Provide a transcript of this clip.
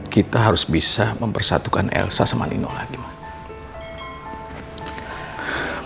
kita harus bisa mempersatukan elsa sama nino lagi mas